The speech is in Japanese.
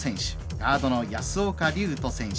ガードの保岡龍斗選手。